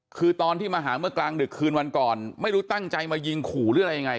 คือตอนที่มาหาเมื่อกลางดึกคืนวันก่อนไม่รู้ตั้งใจมายิงขู่หรืออะไรยังไง